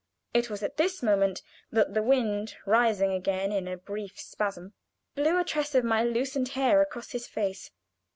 It was at this moment that the wind, rising again in a brief spasm, blew a tress of my loosened hair across his face.